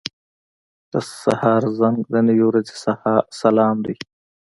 • د سهار زنګ د نوې ورځې سلام دی.